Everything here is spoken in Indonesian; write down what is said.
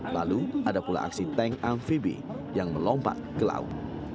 lalu ada pula aksi tank amfibi yang melompat ke laut